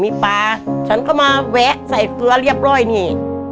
มีปลาฉันก็มาแวะใส่เกลือเรียบร้อยนี่